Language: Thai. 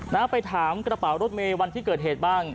นะไปถามกระเป๋ารถเมย์วันที่เกิดเหตุบ้าง